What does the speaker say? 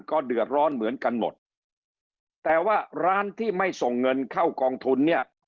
ก็เดือดร้อนเหมือนกันหมดแต่ว่าร้านที่ไม่ส่งเงินเข้ากองทุนเนี่ย